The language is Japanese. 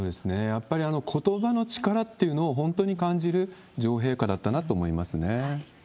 やっぱりことばの力っていうのを本当に感じる女王陛下だったなと思いますね。